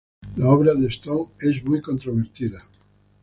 La obra de Stone es muy controvertida.